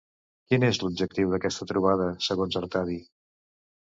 Quin és l'objectiu d'aquesta trobada, segons Artadi?